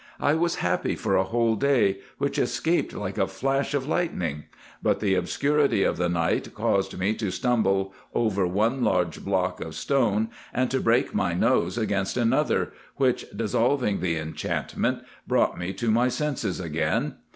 I was happy for a whole day, which escaped like a flash of lightning; but the obscurity of the night caused me to stumble over one large block of stone, and to break my nose against another, which, dissolving the enchantment, brought me to my senses again.